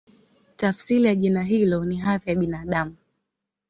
Tafsiri ya jina hilo ni "Hadhi ya Binadamu".